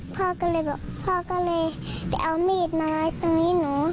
พ่อก็เลยบอกพ่อก็เลยไปเอามีดมาไว้ตรงนี้หนู